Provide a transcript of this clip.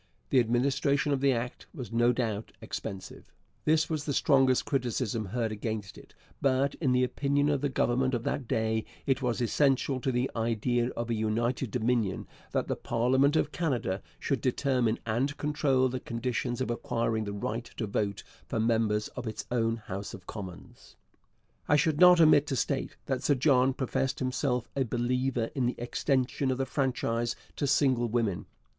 The administration of the Act was no doubt expensive. This was the strongest criticism heard against it; but in the opinion of the Government of that day it was essential to the idea of a united Dominion that the parliament of Canada should determine and control the conditions of acquiring the right to vote for members of its own House of Commons. [Illustration: Sir John A. Macdonald in 1883] I should not omit to state that Sir John professed himself a believer in the extension of the franchise to single women.